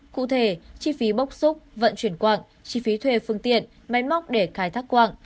cụ thể chi phí bốc xúc vận chuyển quạng chi phí thuê phương tiện máy móc để khai thác quạng